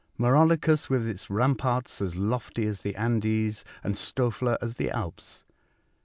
Maurolycus with its ramparts as lofty as the Andes, and Stoefler as the Alps.